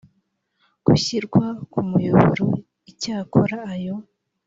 gushyirwa ku muyoboro icyakora ayo